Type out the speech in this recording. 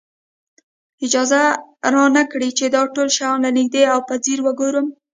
اجازه را نه کړي چې دا ټول شیان له نږدې او په ځیر وګورم.